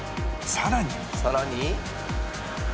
さらに？